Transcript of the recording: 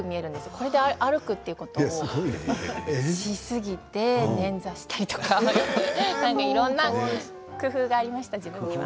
これで歩くということをしすぎて捻挫したりとかいろんな工夫がありました。